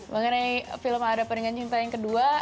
mengenai film ada peringan cinta yang kedua